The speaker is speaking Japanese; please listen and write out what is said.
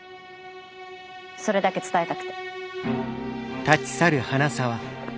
それだけ伝えたくて。